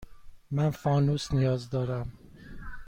من فانوس نیاز دارم.